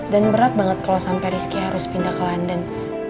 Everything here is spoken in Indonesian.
dan berat banget kalau sampai rizky harus pindah ke london